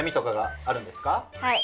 はい。